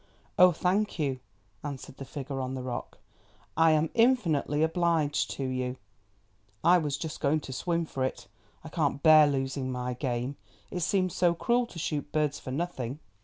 "Oh, thank you," answered the figure on the rock. "I am infinitely obliged to you. I was just going to swim for it, I can't bear losing my game. It seems so cruel to shoot birds for nothing."